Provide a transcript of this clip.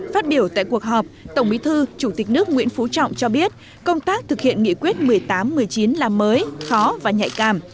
phát biểu tại cuộc họp tổng bí thư chủ tịch nước nguyễn phú trọng cho biết công tác thực hiện nghị quyết một mươi tám một mươi chín là mới khó và nhạy cảm